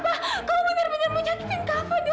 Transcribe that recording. kau mau ngapain